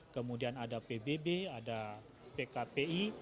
kemudian ada pbb ada pkpi